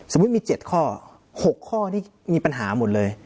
มี๗ข้อ๖ข้อนี่มีปัญหาหมดเลย